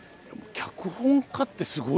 脚本家ってすごいですね。